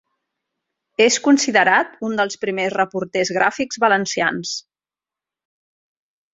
És considerat un dels primers reporters gràfics valencians.